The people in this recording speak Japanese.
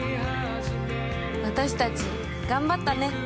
私たち頑張ったね。